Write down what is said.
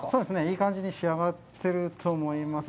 いい感じに仕上がってると思います。